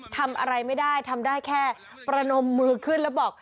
ทำอะไรไม่ได้ทำได้แค่ประนมมือขึ้นแล้วบอก